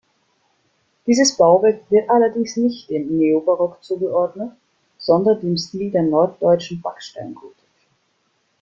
Dieses Bauwerk wird allerdings nicht dem Neobarock zugeordnet, sondern dem Stil der norddeutschen Backsteingotik.